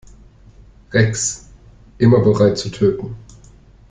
Rex, immer bereit zu töten.